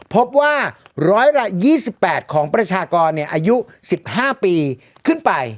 พบว่าร้อยละ๒๘ของประชากรเนี่ยอายุ๑๕ปีขึ้นไป